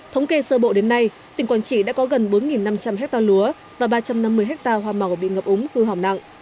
thống kê sơ bộ đến nay tỉnh quảng trị đã có gần bốn năm trăm linh hectare lúa và ba trăm năm mươi hectare hoa màu bị ngập úng hư hỏng nặng